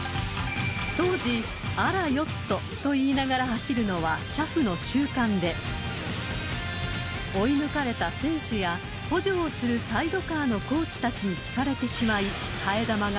［当時「あらよっと」と言いながら走るのは車夫の習慣で追い抜かれた選手や補助をするサイドカーのコーチたちに聞かれてしまい］